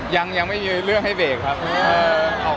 ยังไม่มีเรื่องให้เจป